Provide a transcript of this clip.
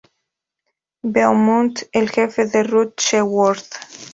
Beaumont, el jefe de Ruth Sherwood.